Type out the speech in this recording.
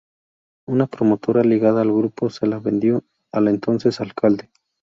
Una promotora ligada al grupo se la vendió al entonces alcalde.